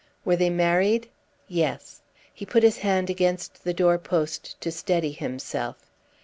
"Were they married?" "Yes." He put his hand against the door post to steady himself.